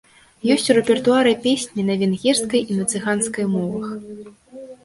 Ёсць у рэпертуары песні на венгерскай і на цыганскай мовах.